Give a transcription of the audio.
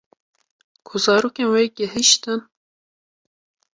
Ku zarokên wê gihîştin